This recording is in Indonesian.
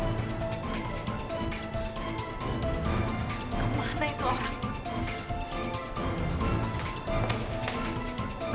eh ke mana itu orangnya